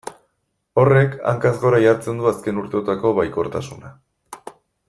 Horrek hankaz gora jartzen du azken urteotako baikortasuna.